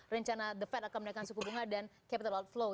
rencana the fed akan menaikkan suku bunga dan capital outflow